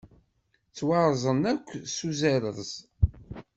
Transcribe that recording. Ttwarzen akk s uzarez.